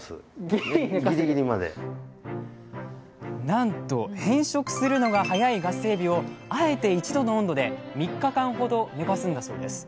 なんと変色するのが早いガスエビをあえて１度の温度で３日間ほど寝かすんだそうです